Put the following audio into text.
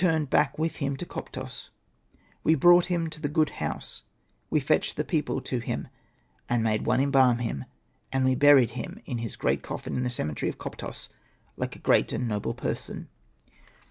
" We turned back with him to Koptos. We brought him to the Good House, we fetched the people to him, and made one embalm him ; and we buried him in his coffin in the cemetery of Koptos like a great and noble person.